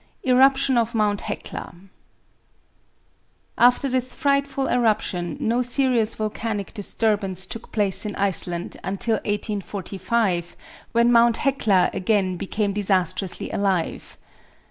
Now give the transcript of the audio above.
ERUPTION OF MOUNT HECLA After this frightful eruption, no serious volcanic disturbance took place in Iceland until 1845, when Mount Hecla again became disastrously active.